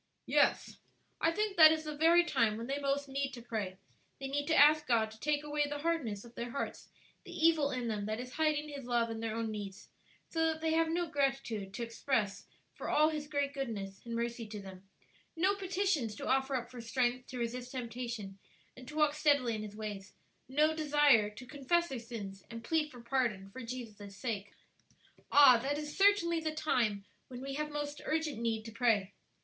"Yes; I think that is the very time when they most need to pray; they need to ask God to take away the hardness of their hearts; the evil in them that is hiding His love and their own needs; so that they have no gratitude to express for all His great goodness and mercy to them, no petitions to offer up for strength to resist temptation and to walk steadily in His ways; no desire to confess their sins and plead for pardon for Jesus' sake. Ah! that is certainly the time when we have most urgent need to pray.